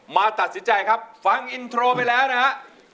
มาตัดสินใจครับฟังอินโทรไปแล้วนะฮะ